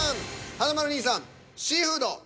華丸兄さん「シーフード」。